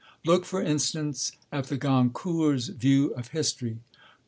Look, for instance, at the Goncourts' view of history.